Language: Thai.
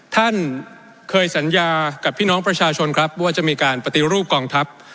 ท่านเคยสัญญากับพี่น้องประชาชนครับว่าจะมีการปฏิรูปกองทัพ